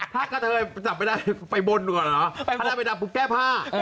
ถ้ากระเทยจับไปได้ไปบนก่อนเหรอถ้าไปดำก็แก้ผ้า